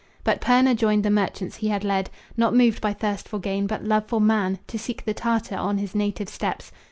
But Purna joined the merchants he had led, Not moved by thirst for gain, but love for man, To seek the Tartar on his native steppes.